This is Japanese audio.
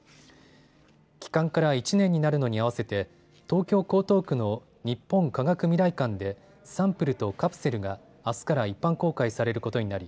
帰還から１年になるのに合わせて東京江東区の日本科学未来館でサンプルとカプセルがあすから一般公開されることになり